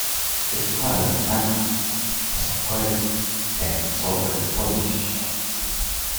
His father, Antanas, was a poet and Soviet politician.